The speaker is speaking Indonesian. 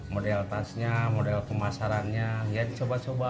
model tasnya model pemasarannya ya dicoba coba